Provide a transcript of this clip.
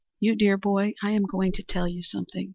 "You dear boy, I am going to tell you something.